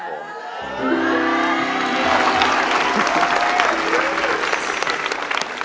เห่ยไปลำเยี่ยม